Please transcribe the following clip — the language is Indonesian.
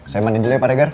saya mandi dulu ya pak regar